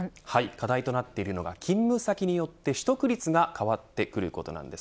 課題となっているのが勤務先によって、取得率が変わってくることなんです。